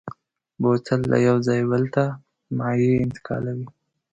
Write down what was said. بوتل له یو ځایه بل ته مایع انتقالوي.